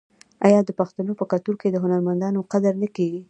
آیا د پښتنو په کلتور کې د هنرمندانو قدر نه کیږي؟